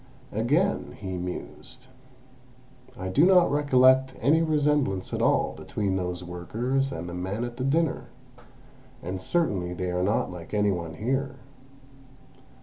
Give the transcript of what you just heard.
"Again," he mused, "I do not recollect any resemblance at all between those workers and the men at the dinner, and certainly they are not like any one here.